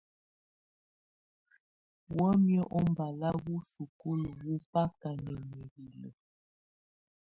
Wǝ́miǝ̀ ubala wù sukulu wù baka na mǝ̀hilǝ́.